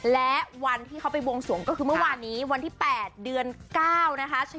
และวันที่เขาไปบวงสวงก็คือเมื่อวานนี้วันที่๘เดือน๙นะคะ